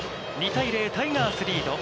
２対０、タイガースリード。